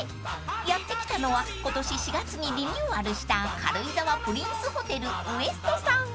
［やって来たのは今年４月にリニューアルした軽井沢プリンスホテルウエストさん］